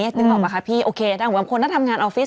จริงหรือเปล่าพะครับพี่โอเคทางบางคนถ้าทำงานออฟฟิซ